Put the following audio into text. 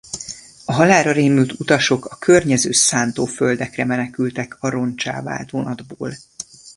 A halálra rémült utasok a környező szántóföldekre menekültek a ronccsá vált vonatból.